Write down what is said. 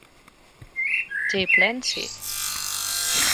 J. Plant Sci.